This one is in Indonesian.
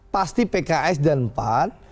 pasti pks dan pan